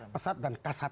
pesat dan kasat